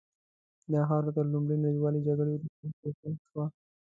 دا خاوره تر لومړۍ نړیوالې جګړې وروسته ټوټه شوه.